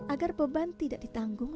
agar beban tidak ditanggung